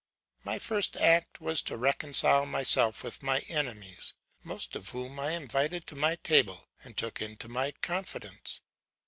My first act was to reconcile myself with my enemies, most of whom I invited to my table and took into my confidence.